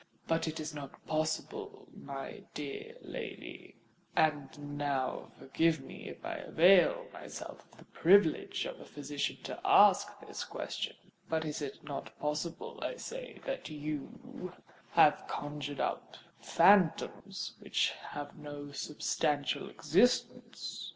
But is it not possible, my dear lady,—and now, forgive me if I avail myself of the privilege of a physician to ask this question,—is it not possible, I say, that you have conjured up phantoms which have no substantial existence?